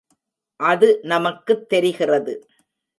அது நமக்குத் தெரிகிறது.